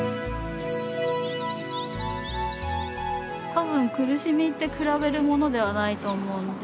多分苦しみって比べるものではないと思うんで。